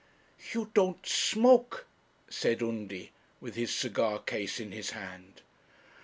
'You don't smoke,' said Undy, with his cigar case in his hand.